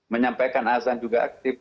menyampaikan azan juga aktif